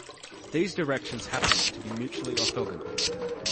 These directions happen to be mutually orthogonal.